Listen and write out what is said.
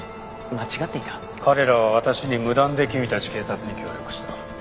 彼らは私に無断で君たち警察に協力した。